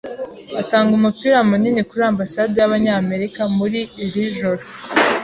Batanga umupira munini kuri Ambasade y'Abanyamerika muri iri joro.